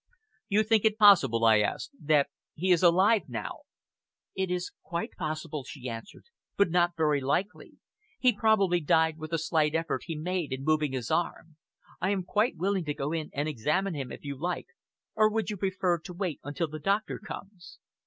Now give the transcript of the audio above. "You think it possible," I asked, "that he is alive now?" "It is quite possible," she answered, "but not very likely. He probably died with the slight effort he made in moving his arm. I am quite willing to go in and examine him, if you like, or would you prefer to wait until the doctor comes?"